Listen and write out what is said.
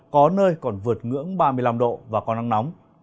có nơi còn vượt ngưỡng ba mươi năm độ và có nắng nóng